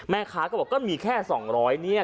แม่ค้าก็บอกก็มีแค่๒๐๐บาทเนี่ย